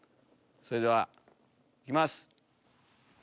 それでは行きます！